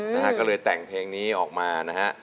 นะฮะก็เลยแต่งเพลงนี้ออกมานะฮะ